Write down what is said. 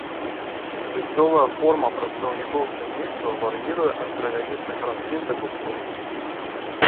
Жыццёвая форма прадстаўнікоў сямейства вар'іруе ад травяністых раслін да кустоў.